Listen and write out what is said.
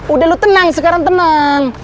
udah lu tenang sekarang tenang